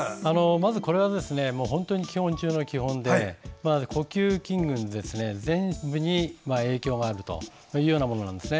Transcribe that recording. まず、これは本当に基本中の基本で呼吸筋群、全部に影響があるものなんですね。